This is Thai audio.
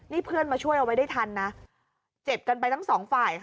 นี่เพื่อนมาช่วยเอาไว้ได้ทันนะเจ็บกันไปทั้งสองฝ่าย